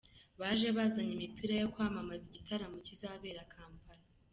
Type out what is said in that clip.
Baje bazanye imipira yo kwamamaza igitaramo kizabera Kampala.